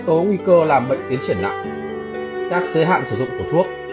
tố nguy cơ làm bệnh tiến triển nặng các giới hạn sử dụng của thuốc